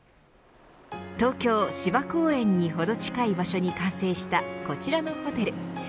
東京、芝公園にほど近い場所に完成したこちらのホテル